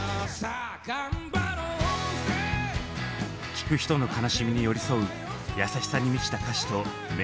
聴く人の悲しみに寄り添う優しさに満ちた歌詞とメロディー。